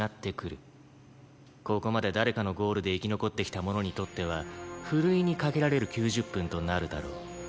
ここまで誰かのゴールで生き残ってきた者にとってはふるいにかけられる９０分となるだろう。